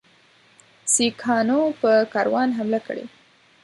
سیکهانو پر کاروان حمله کړې.